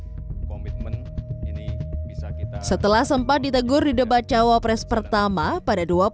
hai komitmen ini bisa kita setelah sempat ditegur di debat cawapres pertama pada dua puluh dua